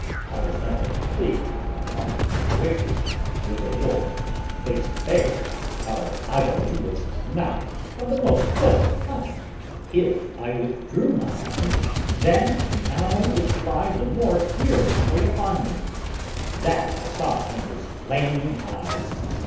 I was not much pleased with my awkward situation with a wolf face to face; our ogling was not of the most pleasant kind. If I withdrew my arm, then the animal would fly the more furiously upon me; that I saw in his flaming eyes.